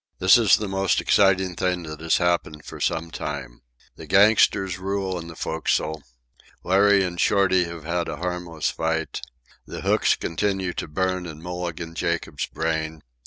This is the most exciting thing that has happened for some time. The gangsters rule in the forecastle. Larry and Shorty have had a harmless fight. The hooks continue to burn in Mulligan Jacobs's brain.